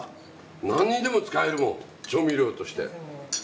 何にでも使えるもん調味料として。